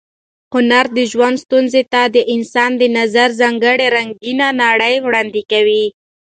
هنر د ژوند ستونزو ته د انسان د نظر ځانګړې رنګینه نړۍ وړاندې کوي.